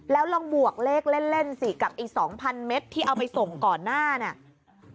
แล้วลองบวกเลขเล่นสิกับอีก๒๐๐เมตรที่เอาไปส่งก่อนหน้าเนี่ย